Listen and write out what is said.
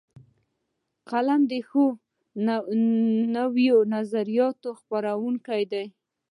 قلم د ښو نویو نظریاتو خپروونکی دی